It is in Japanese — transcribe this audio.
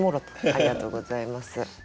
ありがとうございます。